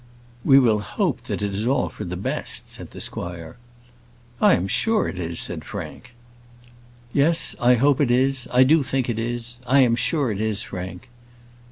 "We will hope that it is all for the best," said the squire. "I am sure it is," said Frank. "Yes; I hope it is. I do think it is; I am sure it is, Frank.